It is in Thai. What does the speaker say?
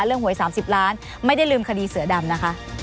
หวย๓๐ล้านไม่ได้ลืมคดีเสือดำนะคะ